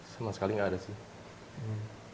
sama sekali nggak ada sih